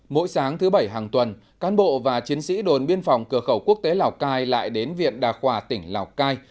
mỗi sáng thứ bảy hàng tuần cán bộ và chiến sĩ đồn biên phòng cửa khẩu quốc tế lào cai lại đến viện đà khoa tỉnh lào cai